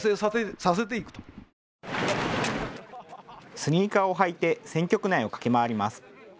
スニーカーを履いて選挙区内を駆け回ります。